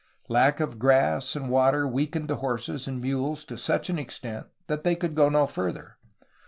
Lack of grass and water weakened the horses and mules to such an extent that they could go no further.